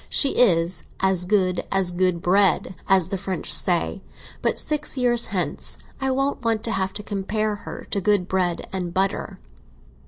She is as good as good bread, as the French say; but six years hence I don't want to have to compare her to good bread and butter."